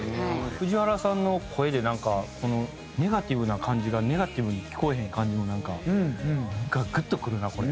藤原さんの声でなんかこのネガティブな感じがネガティブに聞こえへん感じもなんかグッとくるなこれ。